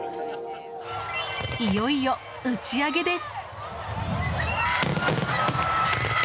いよいよ打ち上げです。